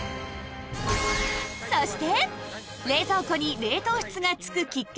［そして！］